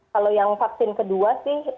kalau yang vaksin kedua sih